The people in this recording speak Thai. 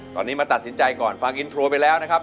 ตอนนี้มาตัดสินใจก่อนฟังอินโทรไปแล้วนะครับ